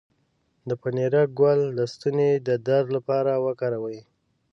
د پنیرک ګل د ستوني د درد لپاره وکاروئ